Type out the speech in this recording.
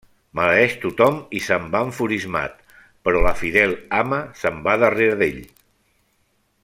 Maleeix tothom i se'n va enfurismat, però la fidel ama se'n va darrere d'ell.